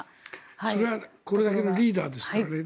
それはこれだけのリーダーですから。